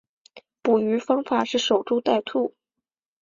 捕鱼方法是守株待兔。